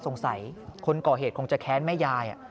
สงสัยคนก่อเหตุคงจะแค้นแม่ยาย